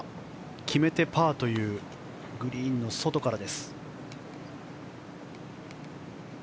決めてパーというグリーンの外から。